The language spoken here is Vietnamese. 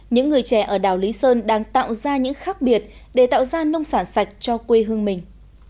những người trẻ ở đảo lý sơn đang tạo ra những khác biệt để tạo ra nông sản sạch cho quê hương mình